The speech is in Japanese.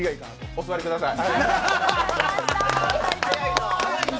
お座りください。